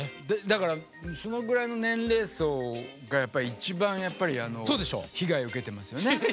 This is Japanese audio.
だからそのぐらいの年齢層がやっぱり一番被害受けてますよね。